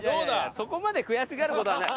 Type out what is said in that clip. そこまで悔しがる事はない。